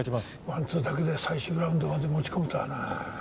ワンツーだけで最終ラウンドまで持ち込むとはな。